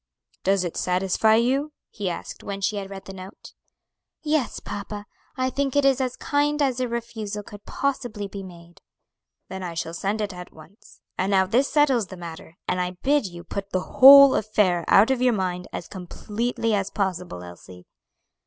"Does it satisfy you?" he asked when she had read the note. "Yes, papa; I think it is as kind as a refusal could possibly be made." "Then I shall send it at once. And now this settles the matter, and I bid you put the whole affair out of your mind as completely as possible, Elsie."